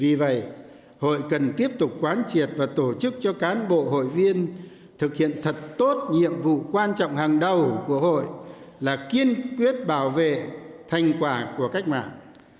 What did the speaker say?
vì vậy hội cần tiếp tục quán triệt và tổ chức cho cán bộ hội viên thực hiện thật tốt nhiệm vụ quan trọng hàng đầu của hội là kiên quyết bảo vệ thành quả của cách mạng